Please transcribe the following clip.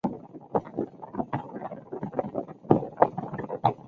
警方人员在早上将另外五个青年带返警署调查。